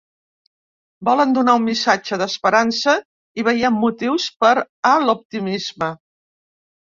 Volem donar un missatge d’esperança i veiem motius per a l’optimisme.